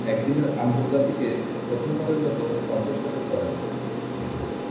একদিনের আন্তর্জাতিকে প্রথমবারের মতো অর্ধ-শতক করেন।